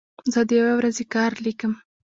زه د یوې ورځې کار لیکم.